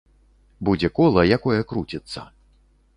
Будзе кола, якое круціцца.